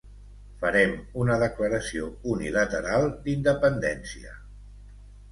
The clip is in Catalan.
Farem una declaració unilateral d'independència.